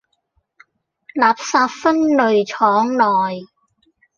垃圾分類廠內